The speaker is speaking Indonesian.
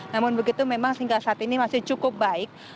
namun begitu memang sehingga saat ini masih cukup baik